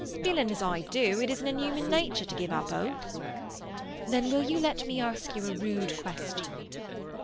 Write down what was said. Feeling as I do, it isn't in human nature to give up hope!" "Then will you let me ask you a rude question?"